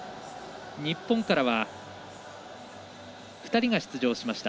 日本からは２人が出場しました。